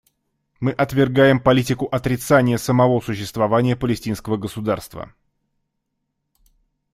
Мы отвергаем политику отрицания самого существования палестинского государства.